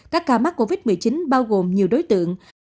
các ca mắc covid một mươi chín bao gồm nhiều đối tượng